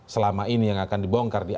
selama ini yang akan dibongkar